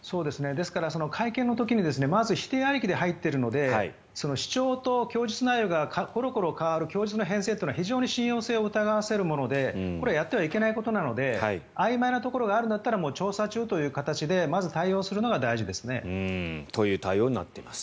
ですから、会見の時にまず否定ありきで入っているので主張と供述内容がコロコロ変わる供述の変遷は非常に信用性を疑わせるものでこれはやってはいけないことなのであいまいなところがあるんだったら調査中という形でまず対応するのが大事です。という対応になっています。